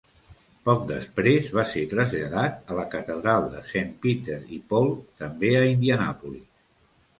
Poc després, va ser traslladat a la catedral de Saint Peter i Paul, també a Indianapolis.